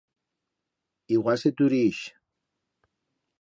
Igual se tureix.